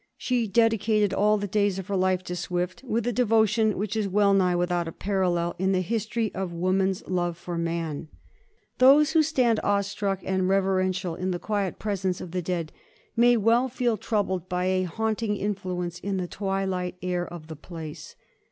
She dedicated all the days of her life to Swift with a devotion which is wellnigh without a parallel in the history of woman's love for man. Those 1746. SWIFT AND STELLA. 23? who stand awe struck and reverential in the quiet presence of the dead may well feel troubled by a haunting influence in the twilight air of the place.